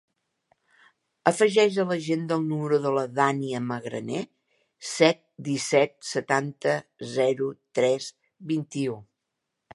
Afegeix a l'agenda el número de la Dània Magraner: set, disset, setanta, zero, tres, vint-i-u.